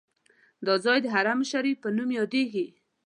دا ځای د حرم شریف په نوم هم یادیږي.